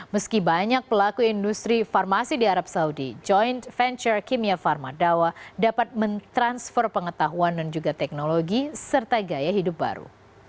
meski banyak pelaku industri farmasi di arab saudi joint venture kimia pharma dawa dapat mentransfer pengetahuan dan juga teknologi serta gaya hidup baru